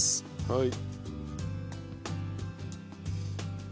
はい。